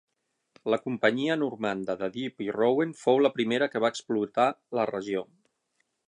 La companyia normanda de Dieppe i Rouen fou la primera que va explotar la regió.